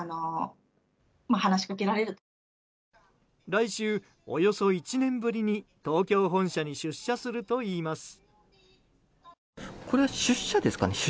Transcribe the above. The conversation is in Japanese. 来週、およそ１年ぶりに東京本社に出社するといいます。